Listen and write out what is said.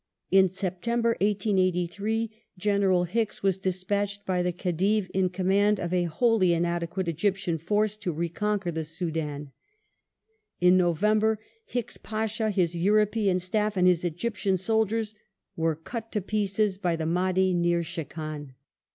In September, 1883, General Hicks was des patched by the Khedive, in command of a wholly inadequate Egyptian force, to reconquer the Soudan. In November Hicks Pasha, his Euroj^an staff, and his Egyptian soldiers were cut to pieces by the Mahdi near Shekan.